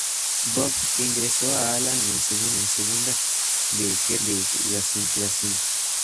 Bob' que ingresó a Alan en la segunda serie de Gerard Racing.